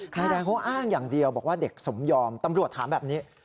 นายแดงเขาอ้างอย่างเดียวบอกว่าเด็กสมยอมตำรวจถามแบบนี้